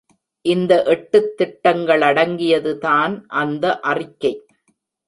இந்த எட்டுத் திட்டங்களடங்கியது தான் அந்த அறிக்கை.